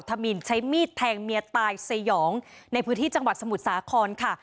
ธมินใช้มีดแทงเมียตายสยองในพื้นที่จังหวัดสมุทรสาครค่ะ